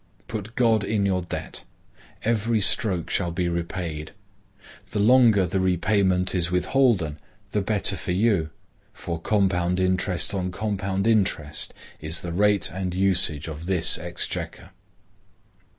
Put God in your debt. Every stroke shall be repaid. The longer The payment is withholden, the better for you; for compound interest on compound interest is the rate and usage of this exchequer.